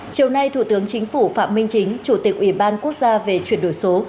chiều nay thủ tướng chính phủ phạm minh chính chủ tịch ủy ban quốc gia về chuyển đổi số